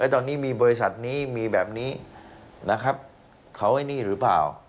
ตอนนี้มีบริษัทนี้มีแบบนี้นะครับเขาไอ้นี่หรือเปล่า